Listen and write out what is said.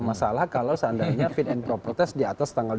masalah kalau seandainya fit and proper test di atas tanggal dua puluh